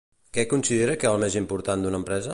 Què considera que el més important d'una empresa?